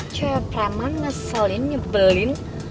coba peraman ngeselin nyebelin